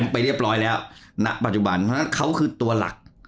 ไปเรียบร้อยแล้วณปัจจุบันเพราะฉะนั้นเขาคือตัวหลัก